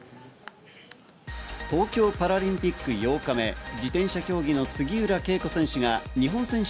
東京パラリンピック８日目、自転車競技の杉浦佳子選手が日本選手